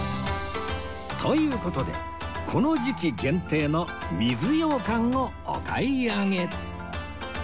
という事でこの時期限定の水羊羹をお買い上げ